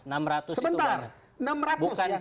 enam ratus itu banyak